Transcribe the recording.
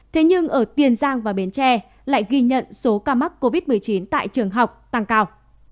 thế nhưng ở tiền giang và bến tre lại ghi nhận số ca mắc covid một mươi chín tại trường học tăng cao